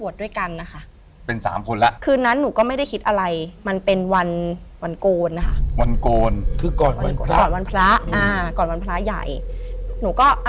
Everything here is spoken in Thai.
ถูกไหมคะไปบวช